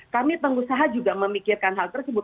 kami pengusaha juga memikirkan hal tersebut